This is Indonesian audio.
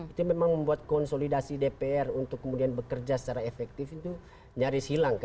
itu memang membuat konsolidasi dpr untuk kemudian bekerja secara efektif itu nyaris hilang